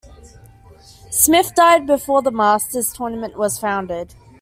Smith died before the Masters Tournament was founded.